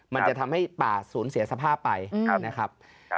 มันจะทำให้ป่าสูญเสียสภาพไปนะครับ